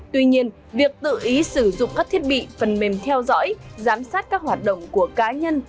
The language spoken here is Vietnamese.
tuy nhiên việc tự ý sử dụng các thiết bị phần mềm theo dõi giám sát các hoạt động của cá nhân